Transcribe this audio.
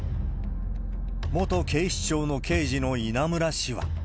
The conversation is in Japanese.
元警視庁の刑事の稲村氏は。